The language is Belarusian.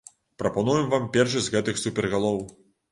Прапануем вам першы з гэтых супергалоў.